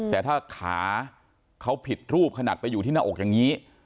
แต่ถ้าขาเขาผิดรูปขนาดไปอยู่ที่หน้าอกอย่างนี้